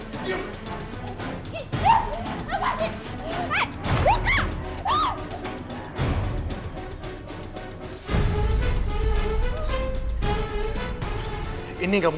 saya juga tidak mau